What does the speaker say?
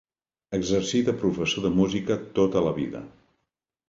Exercí de professor de música tota la vida.